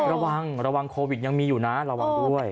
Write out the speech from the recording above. ระวังระวังโควิดยังมีอยู่นะระวังด้วย